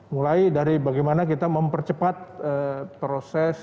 mulai dari bagaimana kita mempercepat proses